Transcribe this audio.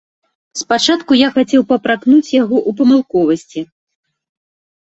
Спачатку я хацеў папракнуць яго ў памылковасці.